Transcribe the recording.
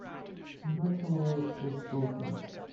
Not a word was spoken.